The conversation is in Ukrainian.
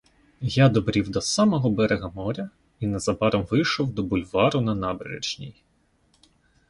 Я добрів до самого берега моря і незабаром вийшов до бульвару на набережній.